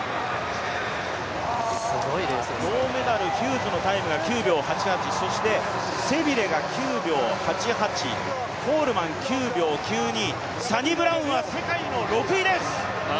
銅メダルヒューズのタイムが９秒８８、そしてセビルが９秒８８、コールマン９秒９２、サニブラウンは世界の６位です。